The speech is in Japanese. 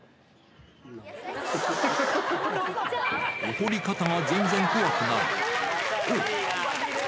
怒り方が全然怖くない。